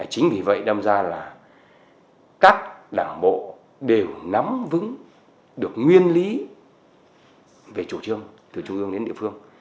chính vì vậy đâm ra là các đảng bộ đều nắm vững được nguyên lý về chủ trương từ trung ương đến địa phương